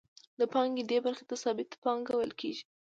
د پانګې دې برخې ته ثابته پانګه ویل کېږي